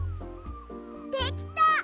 できた！